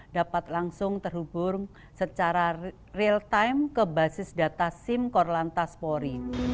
dapat langsung terhubung secara real time ke basis data sim korlantas polri